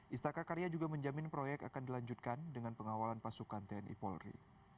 istaka karya juga menjamin proyek akan dilanjutkan dengan pengawalan pasukan tni polri